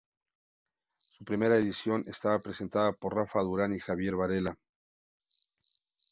Su primera edición estaba presentada por Rafa Durán y Javier Varela.